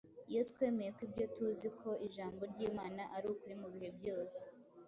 iyo twemeye ko ibyo tuzi ko Ijambo ry’Imana ari ukuri mu bihe byose.